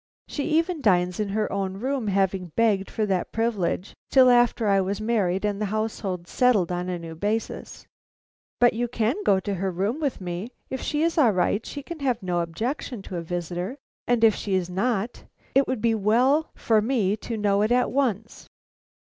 She even dines in her own room, having begged for that privilege till after I was married and the household settled on a new basis. But you can go to her room with me. If she is all right, she can have no objection to a visitor; and if she is not, it would be well for me to know it at once."